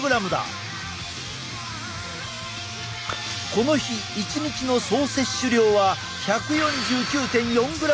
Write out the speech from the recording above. この日一日の総摂取量は１４９．４ｇに達したぞ！